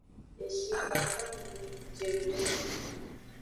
Eshi fafa nunu jedo nung.